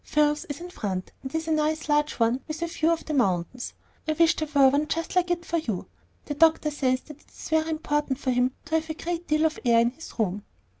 Phil's is in front, and is a nice large one with a view of the mountains. I wish there were one just like it for you. The doctor says that it's very important for him to have a great deal of air in his room."